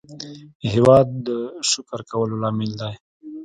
هېواد د شکر کولو لامل دی.